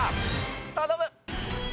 頼む！